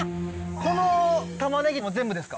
このタマネギも全部ですか？